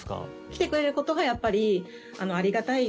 来てくれることがやっぱり、ありがたい。